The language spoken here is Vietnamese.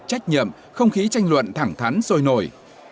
trách nhiệm không khí tranh luận thẳng thắn sôi nổi